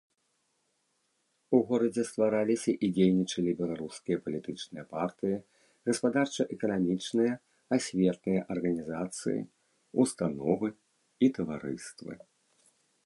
У горадзе ствараліся і дзейнічалі беларускія палітычныя партыі, гаспадарча-эканамічныя, асветныя арганізацыі, установы і таварыствы.